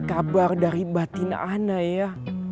ini adalah kabar dari batin ana ya